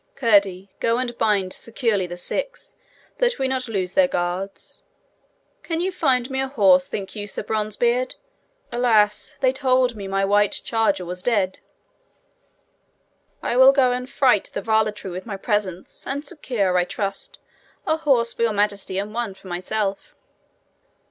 'Curdie, go and bind securely the six, that we lose not their guards. Can you find me a horse, think you, Sir Bronzebeard? Alas! they told me my white charger was dead.' 'I will go and fright the varletry with my presence, and secure, I trust, a horse for Your Majesty, and one for myself.'